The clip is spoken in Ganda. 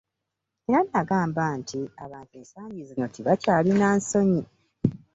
Era n'agamba nti abantu ensangi zino tebakyalina nsonyi